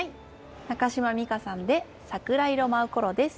中島美嘉さんで「桜色舞うころ」です。